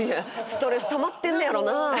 ストレスたまってんのやろな。